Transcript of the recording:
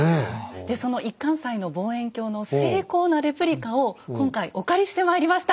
でその一貫斎の望遠鏡の精巧なレプリカを今回お借りしてまいりました。